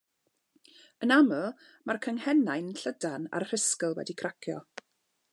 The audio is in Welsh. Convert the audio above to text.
Yn aml, mae'r canghennau'n llydan a'r rhisgl wedi cracio.